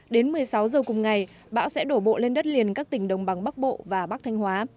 đến một mươi sáu giờ cùng ngày bão sẽ đổ bộ lên đất liền các tỉnh đồng bằng bắc bộ và bắc thanh hóa